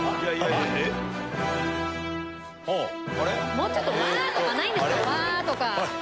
もうちょっとわぁ！とかないんですかわぁ！とか。